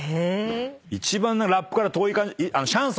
一番ラップから遠い感じ。